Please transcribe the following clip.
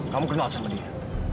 kamu kenal sama dia